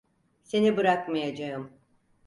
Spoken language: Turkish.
Seni bırakmayacağım.